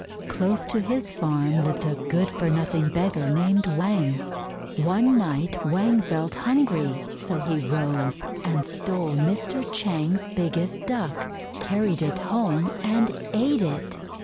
Close to his farm lived a good for nothing beggar named Wang. One night Wang felt hungry, so he rose, and stole Mr. Chang's biggest Duck, carried it home, and ate it.